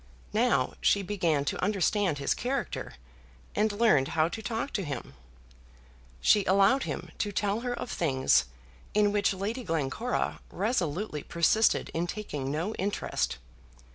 Now she began to understand his character, and learned how to talk to him, She allowed him to tell her of things in which Lady Glencora resolutely persisted in taking no interest.